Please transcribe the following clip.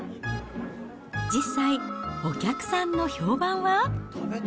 実際、お客さんの評判は？